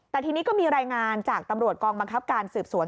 แต่ทีนี้ก็มีรายงานจากตำรวจกองบังคับการสืบสวน